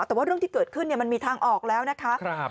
แต่ว่าเรื่องที่เกิดขึ้นมันมีทางออกแล้วนะคะ